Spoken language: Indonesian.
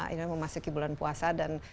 ini memasuki bulan puasa dan